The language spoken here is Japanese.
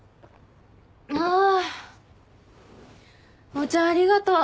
お茶ありがとう。